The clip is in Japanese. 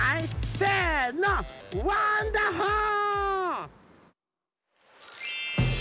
せのワンダホー！